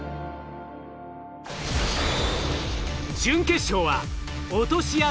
準決勝は落とし屋